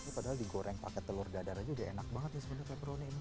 ini padahal digoreng pakai telur dadar aja udah enak banget ya sebenarnya pepperoni ini